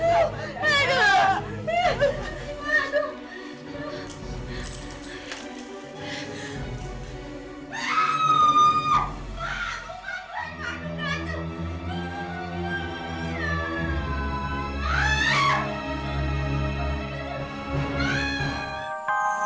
ini apaan ini gatot banget aja